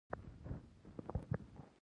که خلک انصاف وکړي، نو باور به ټینګ شي.